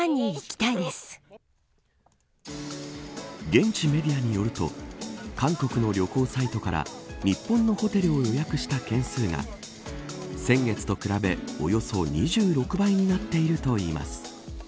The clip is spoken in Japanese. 現地メディアによると韓国の旅行サイトから日本のホテルを予約した件数が先月と比べ、およそ２６倍になっているといいます。